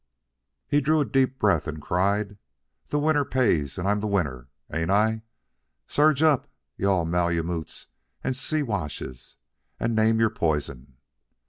He drew a deep breath and cried: "The winner pays, and I'm the winner, ain't I? Surge up, you all Malemutes and Siwashes, and name your poison!